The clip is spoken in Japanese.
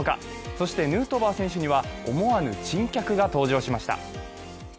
そしてヌートバー選手には思わぬ珍客が登場しました。